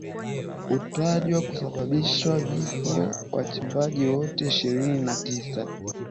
utajwa kusababisha vifo vya wachimbaji wote ishirini na tisa